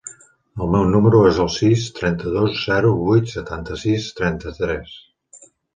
El meu número es el sis, trenta-dos, zero, vuit, setanta-sis, trenta-tres.